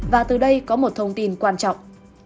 và từ đây có một thông tin quan trọng